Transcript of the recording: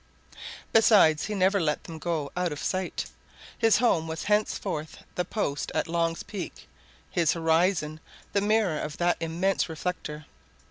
Besides, he never let them get out of sight. His home was henceforth the post at Long's Peak; his horizon, the mirror of that immense reflector.